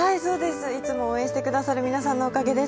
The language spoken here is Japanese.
いつも応援してくださる皆さんのおかげです。